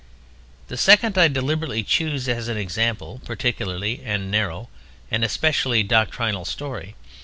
The second I deliberately choose as an example particular and narrow: an especially doctrinal story.